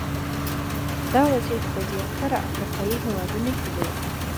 دا وضعیت په زیاتره افریقایي هېوادونو کې دی.